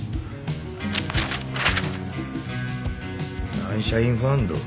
サンシャインファンド？